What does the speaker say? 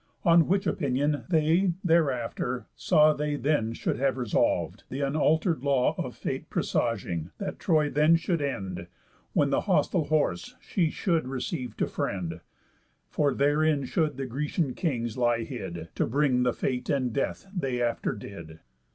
On which opinion, they, thereafter, saw, They then should have resolv'd; th' unalter'd law Of fate presaging, that Troy then should end, When th' hostile horse she should receive to friend, For therein should the Grecian kings lie hid, To bring the fate and death they after did.